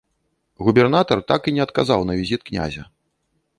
Губернатар так і не адказаў на візіт князя.